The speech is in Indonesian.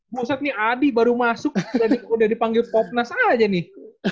pusat nih adi baru masuk udah dipanggil popnas aja nih